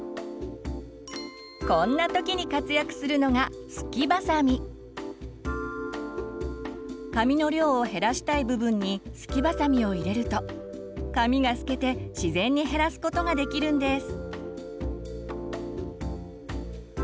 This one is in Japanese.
こんな時に活躍するのが髪の量を減らしたい部分にスキバサミを入れると髪がすけて自然に減らすことができるんです。